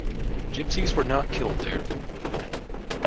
Gypsies were not killed there.